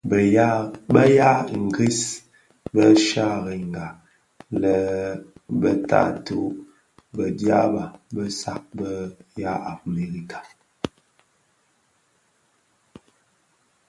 Bë ya ngris bö sherènga lè be taatôh bë dyaba bë saad bë bë ya Amerika.